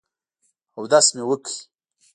اودس مې وکړ.